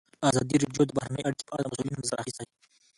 ازادي راډیو د بهرنۍ اړیکې په اړه د مسؤلینو نظرونه اخیستي.